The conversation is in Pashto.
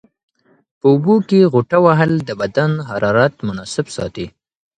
په اوبو کې غوټه وهل د بدن حرارت مناسب ساتي.